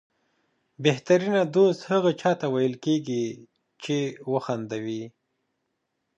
بهترینه دوست هغه چاته ویل کېږي چې وخندوي.